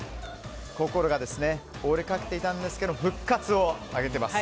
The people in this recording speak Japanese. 心が折れかけていたんですけども復活をあげています。